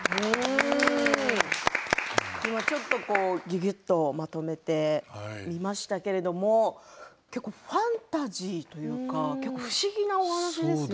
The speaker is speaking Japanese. ちょっとぎゅぎゅっとまとめてみましたけれど結構ファンタジーというか不思議なお話ですね。